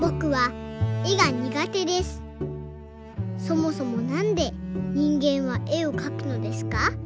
そもそもなんで人間は絵をかくのですか？